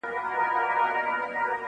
له مودو وروسته پر ښو خوړو مېلمه وو-